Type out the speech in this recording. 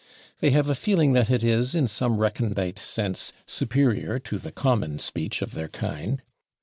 They have a feeling that it is, in some recondite sense, superior to the common speech of their kind.